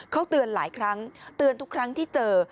เขาเตือนหลายครั้งเตือนทุกครั้งที่เจอ